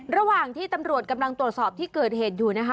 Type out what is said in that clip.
ระหว่างที่ตำรวจกำลังตรวจสอบที่เกิดเหตุอยู่นะคะ